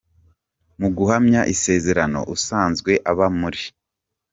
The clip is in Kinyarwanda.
Mu guhamya isezerano, usanzwe aba muri